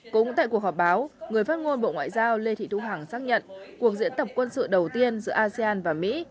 cũng tại cuộc họp báo người phát ngôn bộ ngoại giao lê thị thu hằng xác nhận cuộc diễn tập quân sự đầu tiên giữa asean và mỹ